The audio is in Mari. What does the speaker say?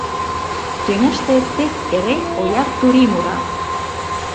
Тӱняште тек эре Ояр турий мура.